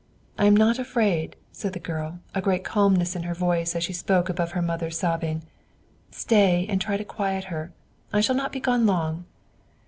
"I am not afraid," said the girl, a great calmness in her voice as she spoke above her mother's sobbing; "stay and try to quiet her. I shall not be gone long."